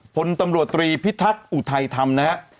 ผลตำรวจตรีพิทักอุทัยธรรมนะครับ